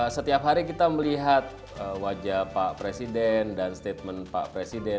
setiap hari kita melihat wajah pak presiden dan statement pak presiden